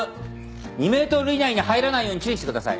２メートル以内に入らないように注意してください。